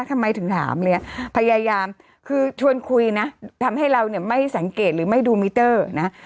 ทำไมถึงถามเลยพยายามคือชวนคุยนะทำให้เราเนี่ยไม่สังเกตหรือไม่ดูมิเตอร์นะ